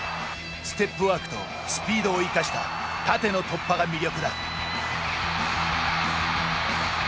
ステップワークとスピードを生かした縦の突破が魅力だ。